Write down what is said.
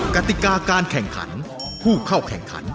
กติกาการแข่งขันผู้เข้าแข่งขัน